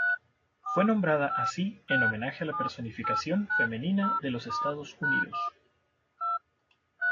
Fue nombrada así en homenaje a la personificación femenina de los Estados Unidos.